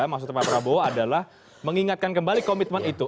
maksudnya pak prabowo adalah mengingatkan kembali komitmen itu